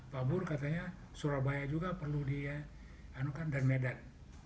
pak bur katanya surabaya juga perlu dihanukan dan medan